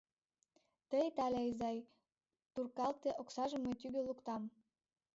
Тый, Таля изай, туркалте, оксажым мый тӱгӧ луктам.